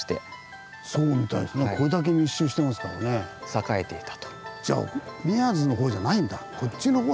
栄えていたと。